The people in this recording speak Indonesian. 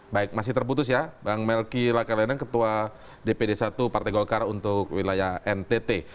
baik masih terputus ya bang melki lakaleneng ketua dpd satu partai golkar untuk wilayah ntt